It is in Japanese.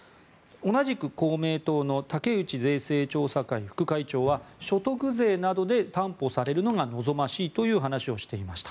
同じく公明党の竹内税制調査会副会長は所得税などで担保されるのが望ましいという話をしていました。